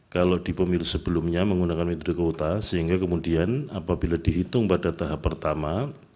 kalau di pemilu sebelumnya menggunakan metode kuota sehingga kemudian apabila dihitung pada tahap pertama